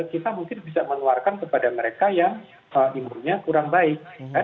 kita mungkin bisa mengeluarkan kepada mereka yang imunnya kurang baik